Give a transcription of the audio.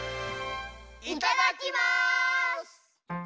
いただきます！